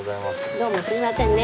どうもすいませんね。